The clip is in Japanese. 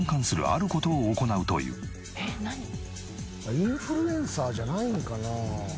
インフルエンサーじゃないんかな？